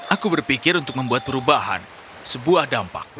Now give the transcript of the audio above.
aku berpikir untuk membuat perubahan sebuah dampak